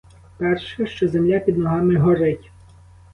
Перше, що земля під ногами горить.